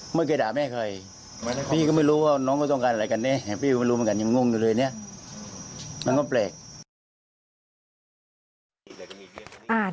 ไม่เคยจับครับ